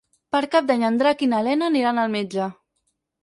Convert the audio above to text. Per Cap d'Any en Drac i na Lena aniran al metge.